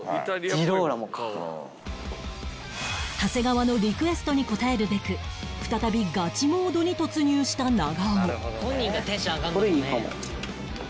長谷川のリクエストに応えるべく再びガチモードに突入した長尾